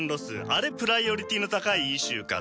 あれプライオリティーの高いイシューかと。